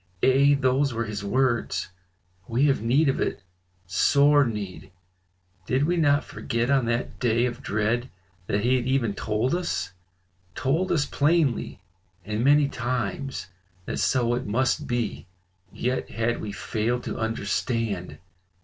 Ay! those were his words. We have need of it, sore need; did we not forget on that day of dread that he had even told us, told us plainly, and many times, that so it must be? yet had we failed to understand.